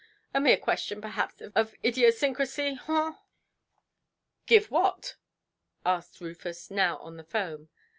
A mere question, perhaps, of idiosyncrasy, haw"! "Give what"? asked Rufus, now on the foam.